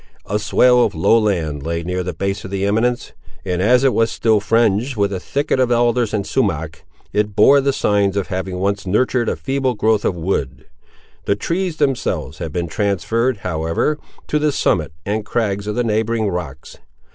A swale of low land lay near the base of the eminence; and as it was still fringed with a thicket of alders and sumack, it bore the signs of having once nurtured a feeble growth of wood. The trees themselves had been transferred, however, to the summit and crags of the neighbouring rocks.